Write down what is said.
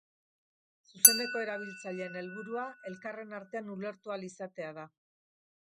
Zuzeneko erabiltzaileen helburua elkarren artean ulertu ahal izatea da.